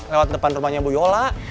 lewat depan rumahnya bu yola